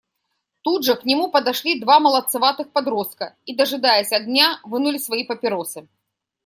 Тут же к нему подошли два молодцеватых подростка и, дожидаясь огня, вынули свои папиросы.